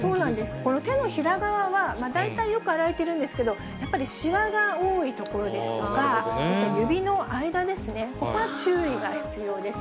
この手のひら側は、大体よく洗えてるんですけれども、やっぱりしわが多い所ですとか、指の間ですね、ここは注意が必要です。